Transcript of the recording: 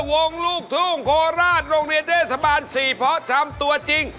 วงลูกทุ่งโคราชโรงเรียนเต้นสะบาน๔พจำตัวจริง